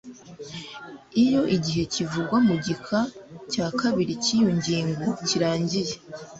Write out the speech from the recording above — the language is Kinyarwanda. iyo igihe kivugwa mu gika cya kabiri cy'iyi ngingo kirangiye